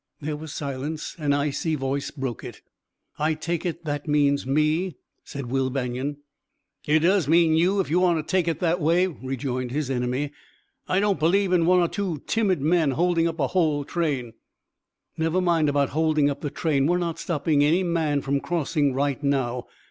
There was silence. An icy voice broke it. "I take it, that means me?" said Will Banion. "It does mean you, if you want to take it that way," rejoined his enemy. "I don't believe in one or two timid men holding up a whole train." "Never mind about holding up the train we're not stopping any man from crossing right now.